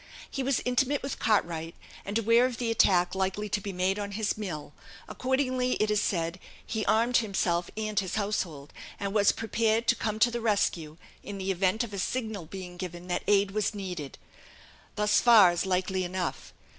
He was intimate with Cartwright, and aware of the attack likely to be made on his mill; accordingly, it is said, he armed himself and his household, and was prepared to come to the rescue, in the event of a signal being given that aid was needed. Thus far is likely enough.